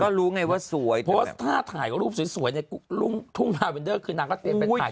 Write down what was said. ก็รู้ไงว่าสวยเพราะว่าถ้าถ่ายก็รูปสวยเนี่ยลุงทุ่มฮาวินเดอร์คือนางก็เตรียมเป็นถ่าย